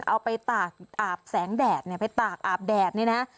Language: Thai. เอาไปตากอาบแสงแดดเนี่ยไปตากอาบแดดนี่นะ